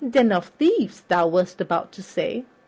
'Den of thieves' thou west about to say."